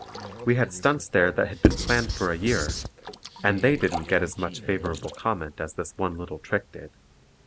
We had stunts there that had been planned for a year, and they didn't get as much favorable comment as this one little trick did.